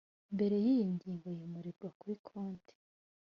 mbere y iyi ngingo yimurirwa kuri konti